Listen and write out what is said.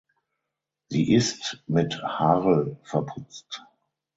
Sie ist mit Harl verputzt.